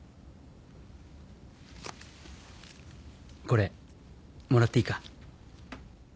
これもらっていいか？